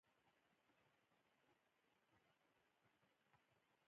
د اسلام سیاسی نظام د هغو قوانینو اوقواعدو مجموعی ته ویل کیږی